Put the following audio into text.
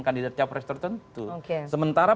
kandidat cawe cawe tertentu sementara